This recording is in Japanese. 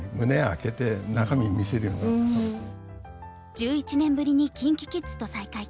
１１年ぶりにＫｉｎＫｉＫｉｄｓと再会。